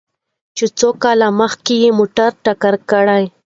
چې څو کاله مخکې يې موټر ټکر کړ؟